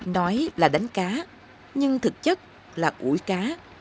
nói là đánh cá nhưng thực chất là ủi cá